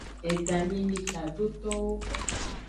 Edanyi nyi tadotowo.